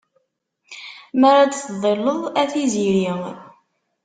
Mi ara d-teḍilleḍ a tiziri.